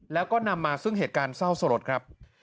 แล้วก็นำมาซึ่งเหตุการณ์เศร้าสลดครับ